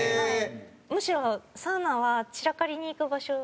むしろサウナは散らかりに行く場所。